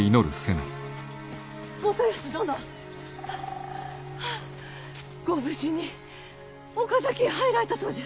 元康殿ハアハアご無事に岡崎へ入られたそうじゃ。